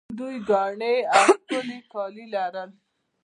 دوی ګاڼې او ښکلي کالي لرل